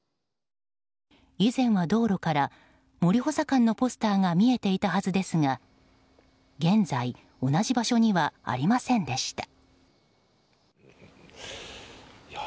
以前は道路から森補佐官のポスターが見えていたはずですが現在、同じ場所にはありませんでした。